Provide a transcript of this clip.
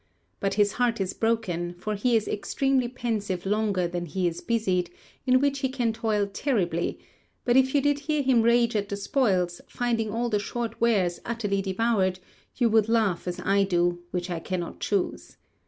But his heart is broken, for he is extremely pensive longer than he is busied, in which he can toil terribly, but if you did hear him rage at the spoils, finding all the short wares utterly devoured, you would laugh as I do, which I cannot choose.